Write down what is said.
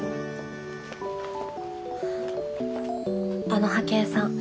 あの派遣さん